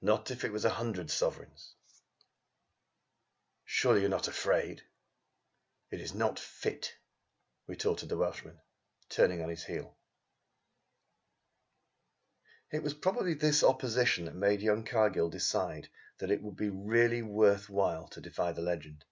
"Not if it wass a hundred sofereigns!" "Surely you are not afraid?" "It iss not fit," retorted the Welshman, turning on his heel. It was probably this opposition that made young Cargill decide that it would be really worth while to defy the legend.